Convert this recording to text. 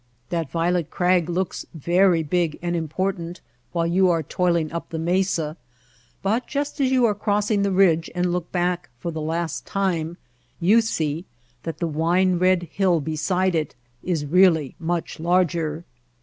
That violet crag looks very big and im portant while you are toiling up the mesa, but just as you are crossing the ridge and look back How We Found Mojave for the last time you see that the wine red hill beside it is really much larger.